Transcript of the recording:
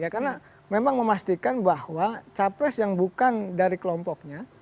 karena memang memastikan bahwa capres yang bukan dari kelompoknya